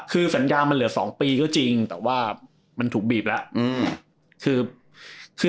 คือสัญญามันเหลือ๒ปีก็จริงแต่ว่ามันถูกบีบแล้ว